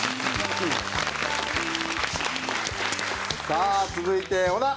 さあ続いて小田。